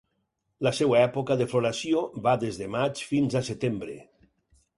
La seva època de floració va des de maig fins a setembre.